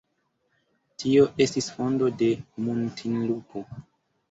Tio estis fondo de Muntinlupo.